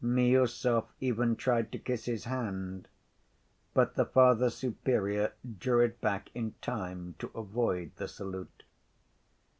Miüsov even tried to kiss his hand, but the Father Superior drew it back in time to avoid the salute.